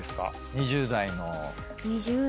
２０代の。